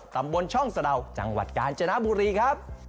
ตำบลช่องสะดาวจังหวัดกาญจนบุรีครับ